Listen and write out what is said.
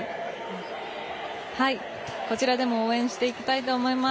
こちらでも応援していきたいと思います。